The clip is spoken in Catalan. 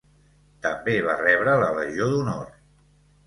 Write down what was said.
També va rebre la Legió d'Honor.